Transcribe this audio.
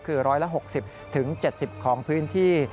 คือ๑๖๐๗๐ของพื้นที่